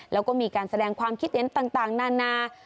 แล้วก็มีการแสดงความคิดเห็นต่างนานา